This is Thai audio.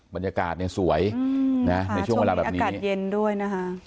บรรยากาศเนี่ยสวยนะในช่วงเวลาแบบนี้อากาศเย็นด้วยนะคะ